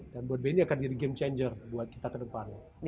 dan buat bni akan jadi game changer buat kita ke depannya